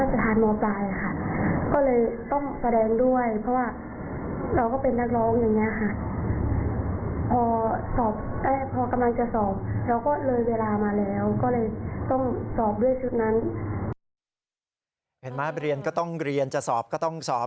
เห็นไหมเรียนก็ต้องเรียนจะสอบก็ต้องสอบ